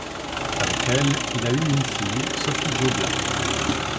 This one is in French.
Avec elle, il a eu une fille, Sophie Jo Black.